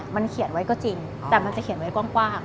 มันเขียนไว้ก็จริงแต่มันจะเขียนไว้กว้าง